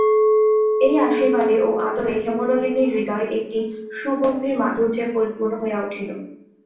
এই আশীর্বাদে ও আদরে হেমনলিনীর হৃদয় একটি সুগম্ভীর মাধুর্যে পরিপূর্ণ হইয়া উঠিল।